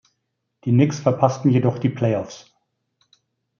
Die Knicks verpassten jedoch die Playoffs.